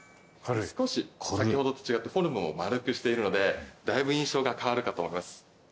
少し先ほどと違ってフォルムを丸くしているのでだいぶ印象が変わるかと思います。